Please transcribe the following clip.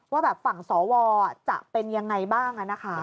ว่าแบบฝั่งสอวรจะเป็นยังไงบ้างอะนะคะ